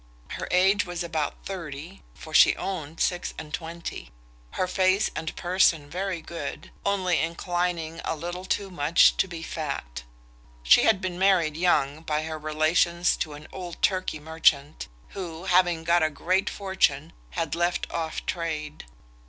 Her age was about thirty, for she owned six and twenty; her face and person very good, only inclining a little too much to be fat. She had been married young by her relations to an old Turkey merchant, who, having got a great fortune, had left off trade.